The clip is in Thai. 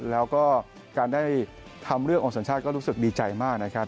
แล้วก็การได้ทำเรื่องโอสัญชาติก็รู้สึกดีใจมากนะครับ